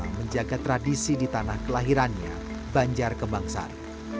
yang menjaga tradisi di tanah kelahirannya banjar kebangsar